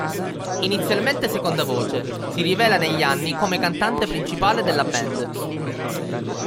Inizialmente seconda voce, si rivela negli anni come cantante principale della band.